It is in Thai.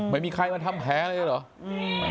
ไม่มีใครมาทำแผลเลยเหรอ